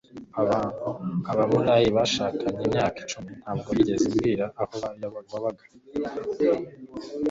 Abamurayi bashakanye imyaka icumi. Ntabwo wigeze umbwira aho wabaga.